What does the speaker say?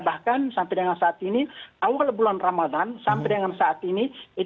bahkan sampai dengan saat ini awal bulan ramadan sampai dengan saat ini